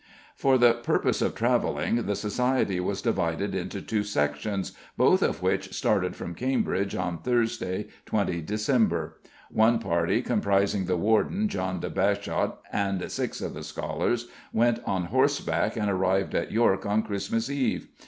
For the purpose of travelling the Society was divided into two sections, both of which started from Cambridge on Thursday, 20 December. One party, comprising the warden, John de Bagshot, and six of the scholars, went on horseback, and arrived at York on Christmas eve.